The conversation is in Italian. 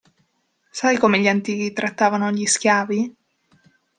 Sai come gli antichi trattavano gli schiavi?